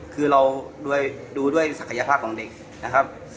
คือเราดูด้วยศักยภาพของเด็กนะครับ